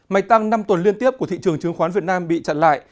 mày tăng năm tuần liên tiếp của thị trường chứng khoán việt nam bị chặn lại